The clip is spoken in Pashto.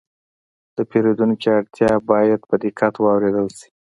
د پیرودونکي اړتیا باید په دقت واورېدل شي.